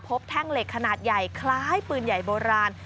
แท่งเหล็กขนาดใหญ่คล้ายปืนใหญ่โบราณ